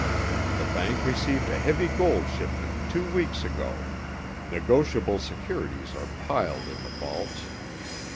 The bank received a heavy gold shipment two weeks ago. Negotiable securities are piled in the vaults.